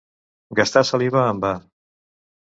Gastar saliva en va.